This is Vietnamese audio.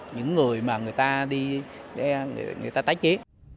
những người mà người ta tái chế